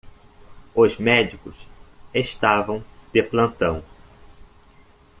Os médicos estavam de plantão.